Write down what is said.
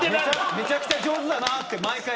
めちゃくちゃ上手だなって毎回こう。